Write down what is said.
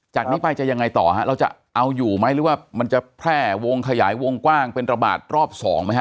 จากนี้ไปจะยังไงต่อฮะเราจะเอาอยู่ไหมหรือว่ามันจะแพร่วงขยายวงกว้างเป็นระบาดรอบสองไหมฮ